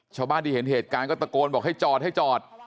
ชาวบ้านที่เห็นเหตุการณ์ก็ตะโกนบอกให้จอดให้จอด